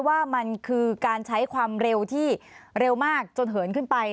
ว่ามันคือการใช้ความเร็วที่เร็วมากจนเหินขึ้นไป